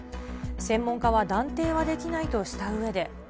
専門家は断定はできないとしたうえで。